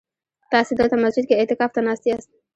تاسي دلته مسجد کي اعتکاف ته ناست ياست؟